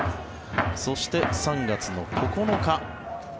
そして、３月の９日。